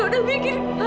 kamu mau bikin kamu muntah